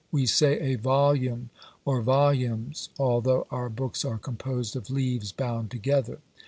We say a volume, or volumes, although our books are composed of leaves bound together.